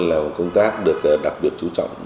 là một công tác được đặc biệt chú trọng